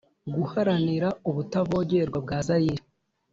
Guharanira ubutavogerwa bwa zayire